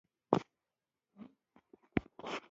د حقیقت لار تل رڼا ده.